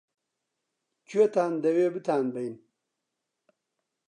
-کوێتان دەوێ بتانبەین؟